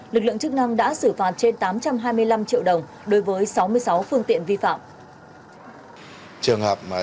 lực lượng chức năng đã xử phạt trên tám trăm hai mươi năm triệu đồng đối với sáu mươi sáu phương tiện vi phạm